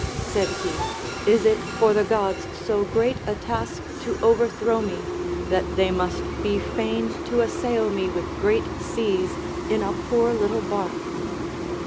said he, 'is it for the gods so great a task to overthrow me, that they must be fain to assail me with great seas in a poor little bark.